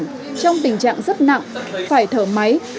nhật bản trong tình trạng rất nặng phải thở máy